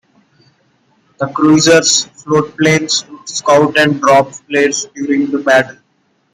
The cruisers' floatplanes would scout and drop flares during the battle.